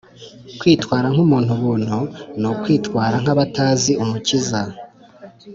Kwitwara nk'umuntu-buntu ni ukwitwara nk'abatazi Umukiza.